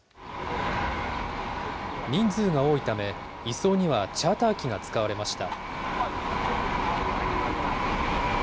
人数が多いため、移送にはチャーター機が使われました。